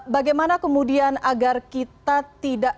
bagaimana kemudian agar kita tidak